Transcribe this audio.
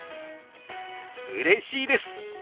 うれしいです！